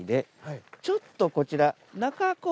ちょっとこちら。